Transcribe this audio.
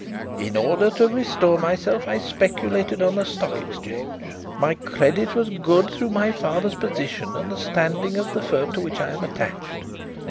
In order to restore myself I speculated on the Stock Exchange. My credit was good through my father's position and the standing of the firm to which I am attached.